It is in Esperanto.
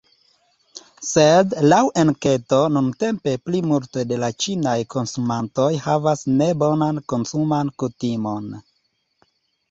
Sed, laŭ enketo, nuntempe plimulto de la ĉinaj konsumantoj havas nebonan konsuman kutimon.